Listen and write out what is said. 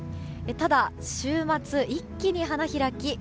ただ、週末一気に花開き